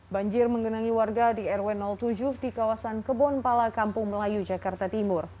banjir menggenangi warga di rw tujuh di kawasan kebon pala kampung melayu jakarta timur